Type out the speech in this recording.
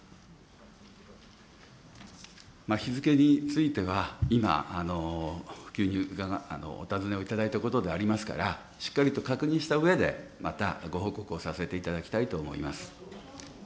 日付については、今、急にお尋ねをいただいたことでありますから、しっかりと確認したうえで、またご報告をさせていただきたいと思います。